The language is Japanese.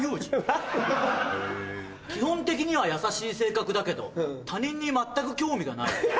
「基本的には優しい性格だけど他人に全く興味がない。